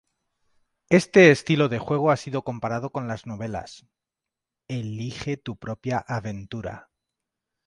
Este estilo de juego ha sido comparado con las novelas "Elige tu propia aventura".